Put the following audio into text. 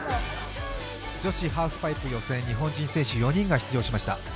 女子ハーフパイプ予選日本人選手４人が出場しました。